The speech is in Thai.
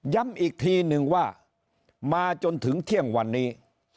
ย้ำอีกทีนึงว่ามาจนถึงเที่ยงวันนี้